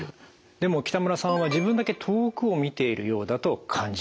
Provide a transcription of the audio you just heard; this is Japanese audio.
でも北村さんは自分だけ遠くを見ているようだと感じる。